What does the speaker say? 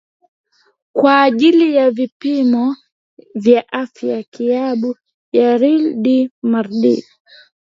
kwa ajili ya vipimo vya afya klabu ya real de madrid